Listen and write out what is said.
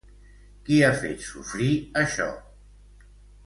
Qui ha fet sofrir això?